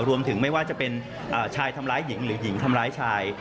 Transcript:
รวมถึงไม่ว่าจะเป็นชายทำร้ายหญิงหรือหญิงทำร้ายชาย